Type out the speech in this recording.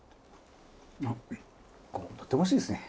あっこれとってもおいしいですね。